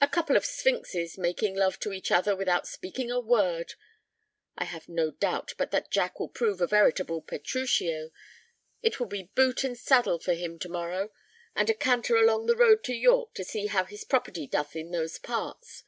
"A couple of sphinxes making love to each other without speaking a word! I have no doubt but that Jack will prove a veritable Petruchio. It will be boot and saddle for him to morrow, and a canter along the road to York to see how his property doth in those parts.